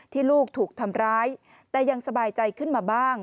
ลูกถูกทำร้ายแต่ยังสบายใจขึ้นมาบ้าง